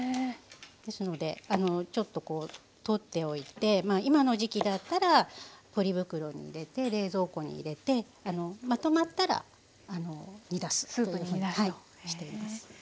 ですのでちょっと取っておいて今の時期だったらポリ袋に入れて冷蔵庫に入れてまとまったら煮出すっていうはいしています。